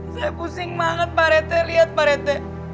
saya pusing banget pak rete lihat pak rete